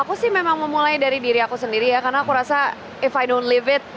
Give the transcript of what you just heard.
aku sih memang memulai dari diri aku sendiri ya karena aku rasa if i don't live it